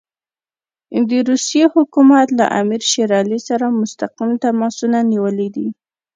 د روسیې حکومت له امیر شېر علي سره مستقیم تماسونه نیولي دي.